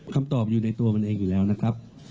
คำตอบอยู่ในตัวมันเองอยู่แล้วนะครับ